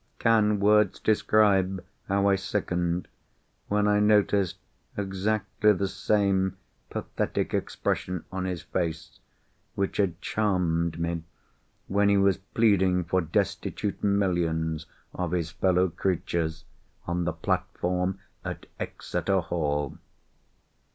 Can words describe how I sickened when I noticed exactly the same pathetic expression on his face, which had charmed me when he was pleading for destitute millions of his fellow creatures on the platform at Exeter Hall!